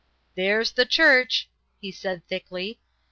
"There's the church," he said thickly.